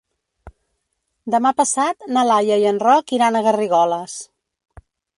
Demà passat na Laia i en Roc iran a Garrigoles.